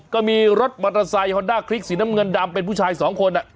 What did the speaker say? ก็มีรถมอเตอร์ไซค์ฮอนด้าคลิกสีน้ำเงินดำเป็นผู้ชายสองคน